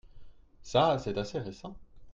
Ça c'est assez récent.